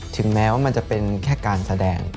ถึงแม้ว่ามันจะเป็นแค่การแสดง